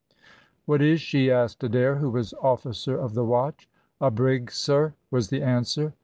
"What is she?" asked Adair, who was officer of the watch. "A brig, sir," was the answer.